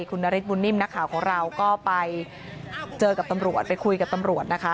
คุณนฤทธบุญนิ่มนักข่าวของเราก็ไปเจอกับตำรวจไปคุยกับตำรวจนะคะ